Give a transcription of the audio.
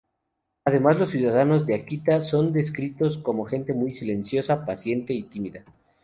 Además, los ciudadanos de Akita son descritos como gente muy silenciosa, paciente y tímida.